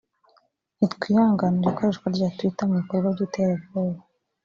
“Ntitwihanganira ikoreshwa rya Twitter mu bikorwa by’iterabwona